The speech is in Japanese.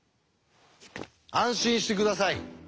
安心して下さい。